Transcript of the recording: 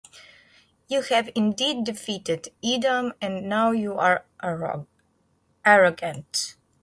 You have indeed defeated Edom and now you are arrogant.